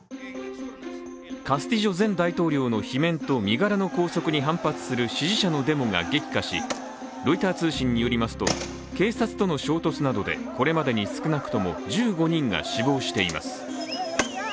カスティジョ前大統領の罷免と身柄の拘束に反発する支持者のデモが激化しロイター通信によりますと警察との衝突などでこれまでに少なくとも１５人が死亡しています。